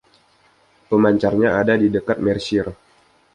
Pemancarnya ada di dekat Mercier.